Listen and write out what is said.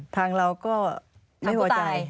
ทางเราก็ไม่พอใจทำกว่าตาย